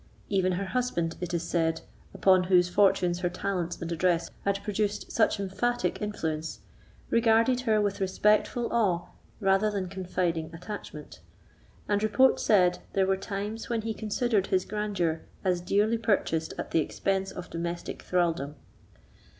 Even her husband, it is said, upon whose fortunes her talents and address had produced such emphatic influence, regarded her with respectful awe rather than confiding attachment; and report said, there were times when he considered his grandeur as dearly purchased at the expense of domestic thraldom.